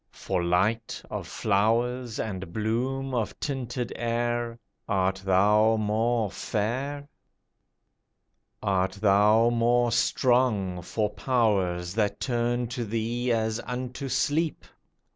For light of flowers, and bloom of tinted air, Art thou more fair? Art thou more strong For powers that turn to thee as unto sleep?